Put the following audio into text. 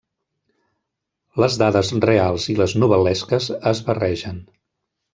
Les dades reals i les novel·lesques es barregen.